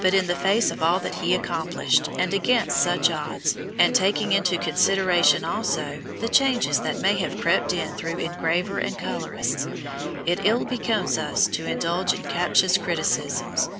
But in the face of all that he accomplished, and against such odds, and taking into consideration also the changes that may have crept in through engraver and colourists, it ill becomes us to indulge in captious criticisms.